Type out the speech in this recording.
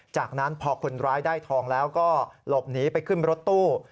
จากนั้นพอคนร้ายได้ทองแล้วก็หลบหนีไปขึ้นรถตู้